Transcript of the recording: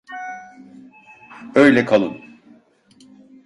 Öyle kalın.